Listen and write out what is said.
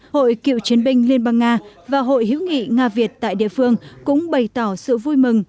hội cựu chiến binh liên bang nga và hội hữu nghị nga việt tại địa phương cũng bày tỏ sự vui mừng